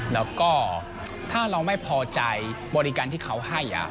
แล้วก็ถ้าเราไม่พอใจบริการที่เขาให้